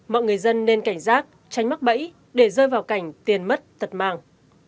mọi người dân nên cảnh giác tránh mắc bẫy để rơi vào cảnh tiền mất tật màng